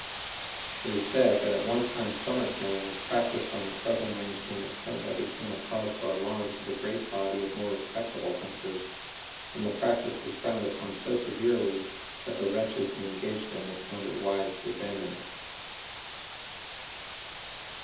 It is said that at one time summer killing was practiced on the southern range to an extent that became a cause for alarm to the great body of more respectable hunters, and the practice was frowned upon so severely that the wretches who engaged in it found it wise to abandon it.